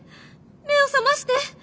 目を覚まして。